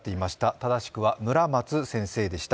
正しくは村松先生でした。